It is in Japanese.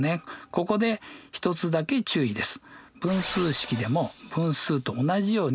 ここで一つだけ注意です。